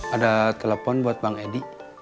ada telepon buat bang edi